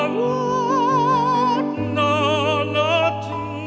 ละละทิ